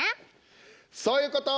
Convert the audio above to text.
そういうこと！